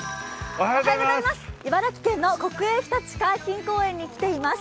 茨城県の国営ひたち海浜公園に来ています。